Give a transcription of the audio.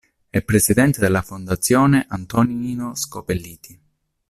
È Presidente della Fondazione Antonino Scopelliti.